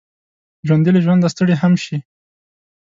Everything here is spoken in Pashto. ژوندي له ژونده ستړي هم شي